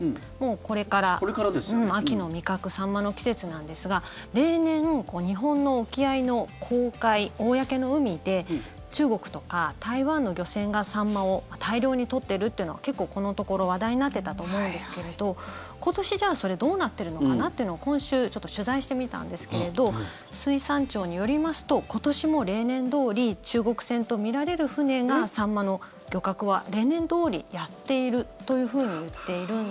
これから、秋の味覚サンマの季節なんですが例年、日本の沖合の公海公の海で中国とか台湾の漁船が、サンマを大量に取っているというのがこのところ話題になっていたと思うんですけれど今年、じゃあそれどうなっているのかなというのを今週、取材してみたんですけれど水産庁によりますと今年も例年どおり中国船とみられる船がサンマの漁獲は、例年どおりやっているというふうに何、その話。